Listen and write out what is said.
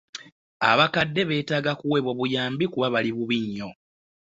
Abakadde beetaga kuweebwa buyambi kuba bali bubi nnyo.